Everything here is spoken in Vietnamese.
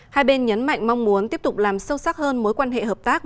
hai bên nhấn mạnh mong muốn tiếp tục làm sâu sắc hơn mối quan hệ hợp tác